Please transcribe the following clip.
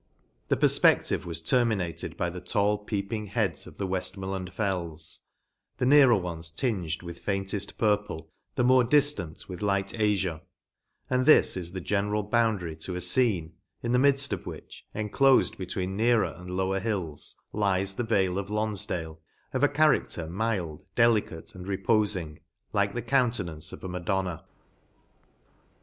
The per fpective was terminated by the tall peeping heads of the Weftmoreland fells, the nearer ones tinged with fainteft purple, the more diftant with light azure ; and this is the general boundary to a fcene, in the midft of which, enclofed between nearer and lower hills, lies the vale of Lonfdale, of a charac ter mild, delicate and repofmg, like the countenance of a Madona.